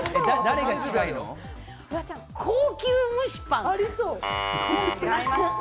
高級蒸しパン。